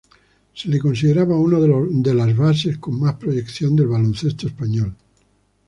Se le consideraba uno de los bases con más proyección del baloncesto español.